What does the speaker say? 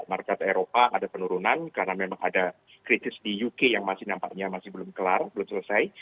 market eropa ada penurunan karena memang ada kritis di uk yang masih nampaknya masih belum kelar belum selesai